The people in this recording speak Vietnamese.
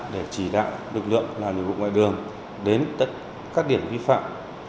để chỉ đạo lực lượng làm nhiệm vụ ngoại đường đến các điểm vi phạm